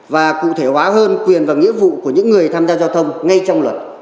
và cụ thể hóa hơn quyền và nghĩa vụ của những người tham gia giao thông ngay trong luật